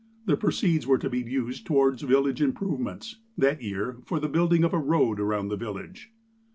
The proceeds were to be used towards village improvements ; that year for the building of a road around the village.